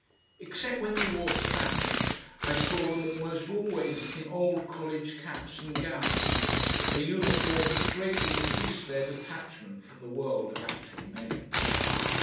Except when they wore flannels, I saw them almost always in old college caps and gowns, a uniform which greatly increased their detachment from the world of actual men.